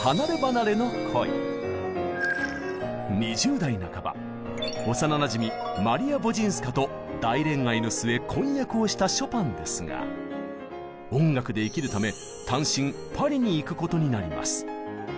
２０代半ば幼なじみマリア・ヴォジンスカと大恋愛の末婚約をしたショパンですが音楽で生きるため単身パリに行くことになります。